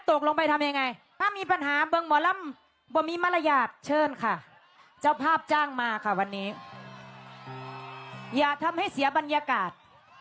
ทำให้เสียบรรยากาศ